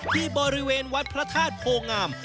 ที่บริเวณวัดพระธาตุโพงาม